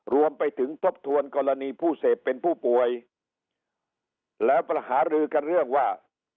รวมไปถึงทบทวนกรณีผู้เสพเป็นผู้ป่วยแล้วประหารือกันเรื่องว่า